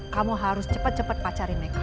kamu harus cepet cepet pacarin mika